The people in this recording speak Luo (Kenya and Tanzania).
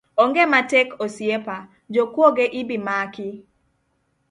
Onge matek osiepa, jokuoge ibimaki